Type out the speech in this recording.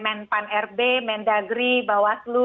men pan rb men dagri bawaslu